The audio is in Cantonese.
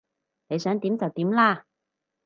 你想點就點啦